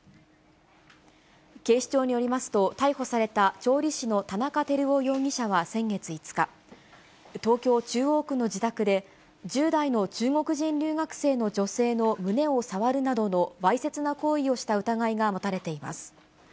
警視庁によりますと、逮捕された調理師の田中輝夫容疑者は先月５日、東京・中央区の自宅で、１０代の中国人留学生の女性の胸を触るなどのわいせつな行為をした疑いが持たれています。